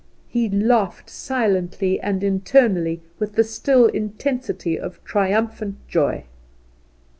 He laughed silently and internally, with the still intensity of triumphant joy.